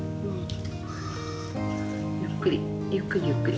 ゆっくりゆっくりゆっくり。